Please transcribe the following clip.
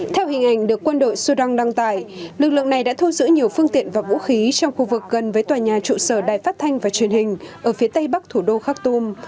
theo hình ảnh được quân đội sudan đăng tải lực lượng này đã thu giữ nhiều phương tiện và vũ khí trong khu vực gần với tòa nhà trụ sở đài phát thanh và truyền hình ở phía tây bắc thủ đô khak tum